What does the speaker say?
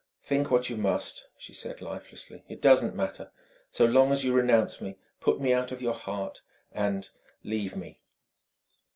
"Think what you must," she said lifelessly: "it doesn't matter, so long as you renounce me, put me out of your heart and leave me."